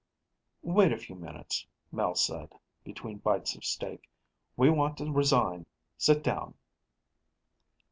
"Wait a few minutes," Mel said, between bites of steak, "we want to resign. Sit down."